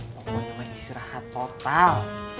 pokoknya mah istirahat total